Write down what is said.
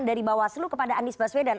dari bawaslu kepada anies baswedan